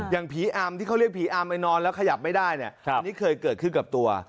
อย่างผีอำที่เขาเรียกผีอำไปนอนแล้วขยับไม่ได้เนี่ยอันนี้เคยเกิดขึ้นกับตัว